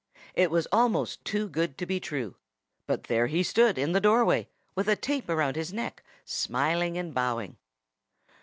It was almost too good to be true. But there he stood in the doorway, with a tape around his neck, smiling and bowing.